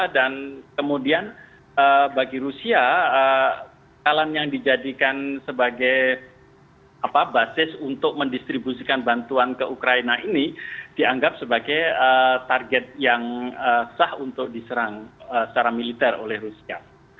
dan kemudian bagi rusia hal hal yang dijadikan sebagai basis untuk mendistribusikan bantuan ke ukraina ini dianggap sebagai target yang sah untuk diserang secara militer oleh rusia